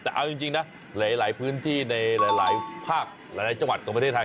แต่เอาจริงนะหลายพื้นที่ในหลายภาคหลายจังหวัดของประเทศไทย